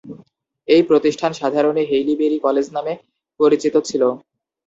এ প্রতিষ্ঠান সাধারণে Haileybury college নামে পরিচিত ছিল।